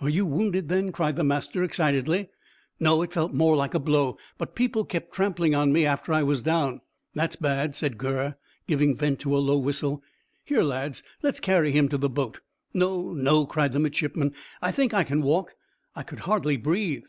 "Are you wounded, then?" cried the master excitedly. "No; it felt more like a blow, but people kept trampling on me after I was down." "That's bad," said Gurr, giving vent to a low whistle. "Here, lads, let's carry him to the boat." "No, no!" cried the midshipman. "I think I can walk. I could hardly breathe."